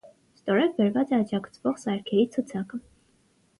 Ստորև բերված է աջակցվող սարքերի ցուցակը։